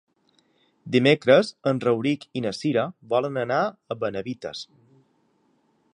Dimecres en Rauric i na Cira volen anar a Benavites.